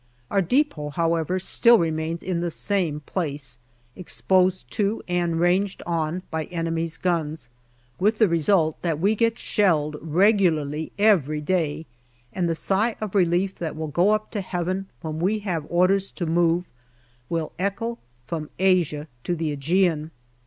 Our depot, however, still remains in the same place, exposed to and ranged on by enemy's guns, with the result that we get shelled regularly every day, and the sigh of relief that will go up to heaven when we have orders to move will echo from Asia to the yEgean.